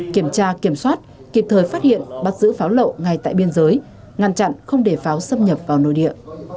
kiểm tra kiểm soát kịp thời phát hiện bắt giữ pháo lậu ngay tại biên giới ngăn chặn không để pháo xâm nhập vào nội địa